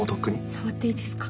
触っていいですか？